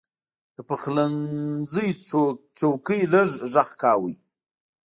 د پخلنځي څوکۍ لږ غږ کاوه.